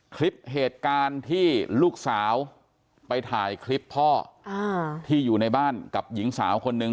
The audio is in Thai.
คลิปเหตุการณ์ที่ลูกสาวไปถ่ายคลิปพ่อที่อยู่ในบ้านกับหญิงสาวคนหนึ่ง